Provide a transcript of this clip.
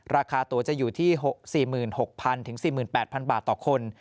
ราคาตัวจะอยู่ที่๔๖๐๐๔๘๐๐บาทต่อคน